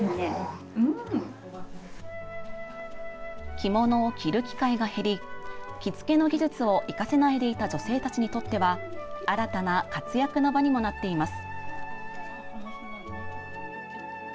着物を着る機会が減り着付けの技術を生かせないでいた女性たちにとっては新たな活躍の場にもなっています。